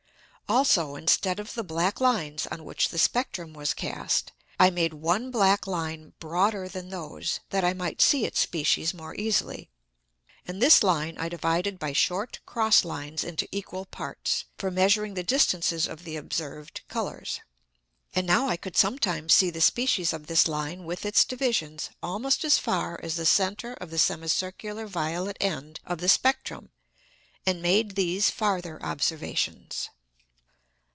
Also instead of the black Lines on which the Spectrum was cast, I made one black Line broader than those, that I might see its Species more easily; and this Line I divided by short cross Lines into equal Parts, for measuring the distances of the observed Colours. And now I could sometimes see the Species of this Line with its Divisions almost as far as the Center of the semicircular violet End of the Spectrum, and made these farther Observations.